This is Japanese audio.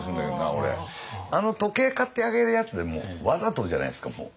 あの時計買ってあげるやつでもわざとじゃないですかもう。